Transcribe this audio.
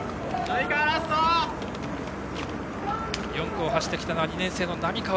４区を走ってきたのは２年生の並川。